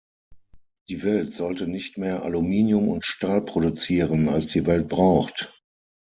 Die Welt sollte nicht mehr Aluminium und Stahl produzieren, als die Welt braucht.